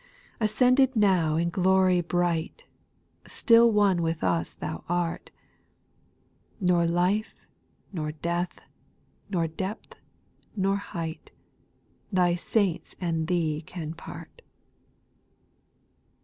4. Ascended now in glory bright, Still one with us Thou art. Nor life, nor death, nor depth, nor height, Thy saints and Thee can part.